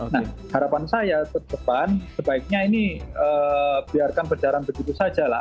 nah harapan saya ke depan sebaiknya ini biarkan berjalan begitu saja lah